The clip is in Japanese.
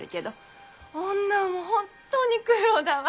女はもう本当に苦労だわ。